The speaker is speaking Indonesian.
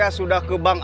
aku cuma mau berangkat